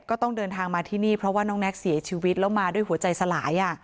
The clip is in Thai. ก็ต้องเดินทางมาที่นี่เพราะว่าน้องแน็กเสียชีวิตแล้วมาด้วยหัวใจสลาย